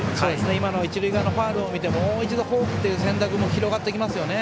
今の一塁側のファウルを見てもう一度フォークという選択も広がってきますよね。